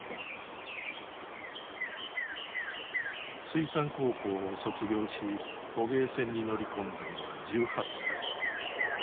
水産高校を卒業し捕鯨船に乗り込んだのは１８歳。